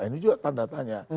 ini juga tanda tanya